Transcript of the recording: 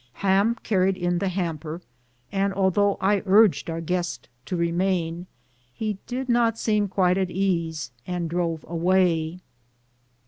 Ham car ried in the hamper, and though I urged our guest to remain, he did not seem quite at ease and drove away.